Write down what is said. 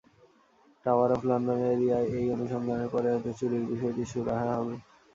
Tower of লন্ডনের এরিয়ার - এই অনুসন্ধানের পরেই হয়তো চুরির বিষয়টি সুরাহা হবে।